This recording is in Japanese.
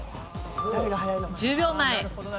１０秒前。